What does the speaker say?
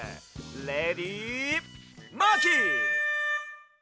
レディマーキー！